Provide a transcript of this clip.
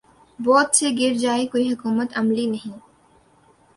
بوجھ سے گر جائے کوئی حکمت عملی نہیں